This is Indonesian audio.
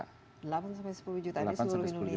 delapan sampai sepuluh juta di seluruh indonesia ya